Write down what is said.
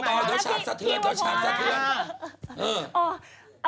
เอ้าแองจี้บ่อยเดี๋ยวฉากเสาเถือน